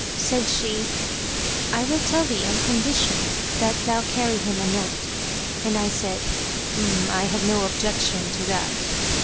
Said she, "I will tell thee on condition that thou carry him a note;" and I said "I have no objection to that."